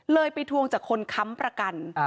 ไปทวงจากคนค้ำประกัน